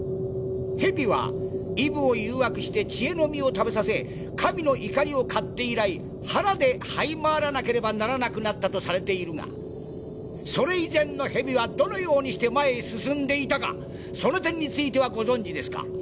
ヘビはイブを誘惑して知恵の実を食べさせ神の怒りを買って以来腹ではい回らなければならなくなったとされているがそれ以前のヘビはどのようにして前へ進んでいたかその点についてはご存じですか？